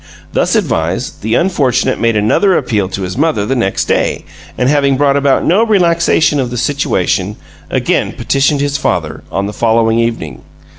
Thus advised, the unfortunate made another appeal to his mother the next day, and, having brought about no relaxation of the situation, again petitioned his father, on the following evening.